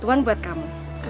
bantuan buat kamu